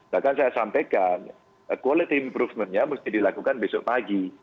bahkan saya sampaikan quality improvement nya mesti dilakukan besok pagi